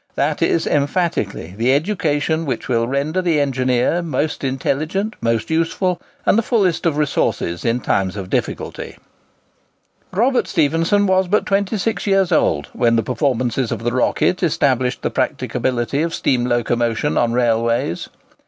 That is, emphatically, the education which will render the engineer most intelligent, most useful, and the fullest of resources in times of difficulty." Robert Stephenson was but twenty six years old when the performances of the "Rocket" established the practicability of steam locomotion on railways.